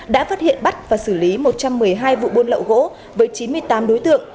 đã phát hiện bắt và xử lý một trăm một mươi hai vụ buôn lậu gỗ với chín mươi tám đối tượng